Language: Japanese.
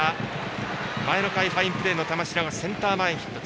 前の回ファインプレーの玉城がセンター前ヒット。